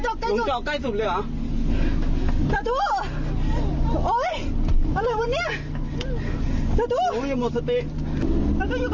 ของเล่นติดคอเด็ก